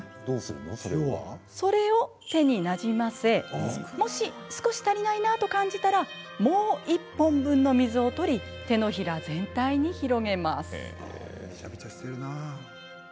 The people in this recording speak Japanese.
それを手になじませもし少し足りないなと感じたらもう１本分の水を取り手のひら全体に広げます。